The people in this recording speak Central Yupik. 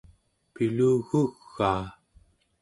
pilugugaa